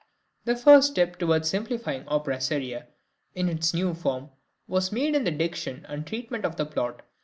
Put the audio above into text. } (168) The first step towards simplifying opera seria in its new form was made in the diction and treatment of the plot.